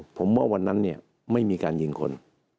ผมว่าวันนั้นเนี่ยไม่มีการยิงคน